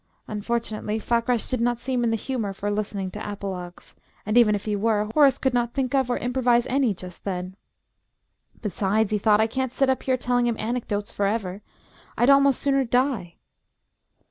Unfortunately Fakrash did not seem in the humour for listening to apologues, and, even if he were, Horace could not think of or improvise any just then. "Besides," he thought, "I can't sit up here telling him anecdotes for ever. I'd almost sooner die!"